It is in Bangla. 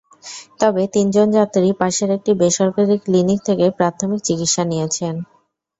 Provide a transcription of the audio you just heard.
তবে তিনজন যাত্রী পাশের একটি বেসরকারি ক্লিনিক থেকে প্রাথমিক চিকিৎসা নিয়েছেন।